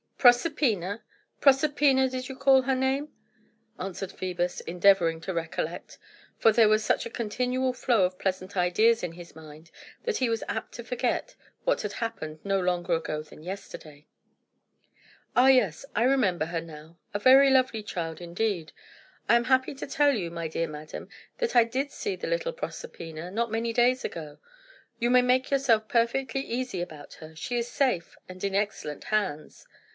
"Proserpina! Proserpina, did you call her name?" answered Phœbus, endeavouring to recollect; for there was such a continual flow of pleasant ideas in his mind that he was apt to forget what had happened no longer ago than yesterday. "Ah, yes, I remember her now. A very lovely child, indeed. I am happy to tell you, my dear madam, that I did see the little Proserpina not many days ago. You may make yourself perfectly easy about her. She is safe, and in excellent hands."